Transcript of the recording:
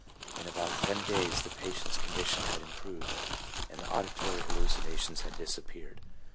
In about ten days the patient's condition had improved and the auditory hallucinations had disappeared.